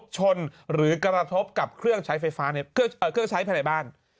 ชนหรือกระทบกับเครื่องใช้ภายในบ้าน